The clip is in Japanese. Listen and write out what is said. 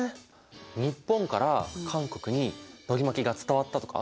日本から韓国にのり巻きが伝わったとか？